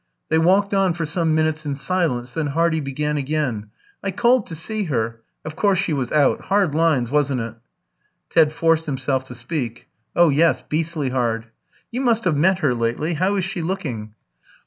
They walked on for some minutes in silence, then Hardy began again "I called to see her. Of course she was out. Hard lines, wasn't it?" Ted forced himself to speak. "Oh yes, beastly hard." "You must have met her lately. How is she looking?"